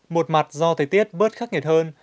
một mặt do thời tiết bớt khắc nghiệt hơn